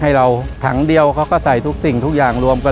และที่เราต้องใช้เวลาในการปฏิบัติหน้าที่ระยะเวลาหนึ่งนะครับ